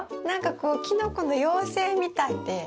何かこうキノコの妖精みたいで。